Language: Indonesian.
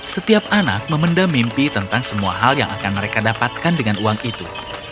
setiap anak memendam mimpi tentang semua hal yang akan mereka dapatkan dengan uang itu